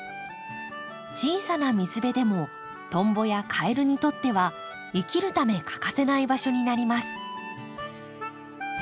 小さな水辺でもトンボやカエルにとっては生きるため欠かせない場所になります。